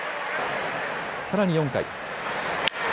さらに４回。